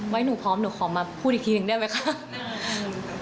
หนูพร้อมหนูขอมาพูดอีกทีหนึ่งได้ไหมคะ